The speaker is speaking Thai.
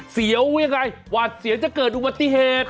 เสียวยังไงหวาดเสียวจะเกิดอุบัติเหตุ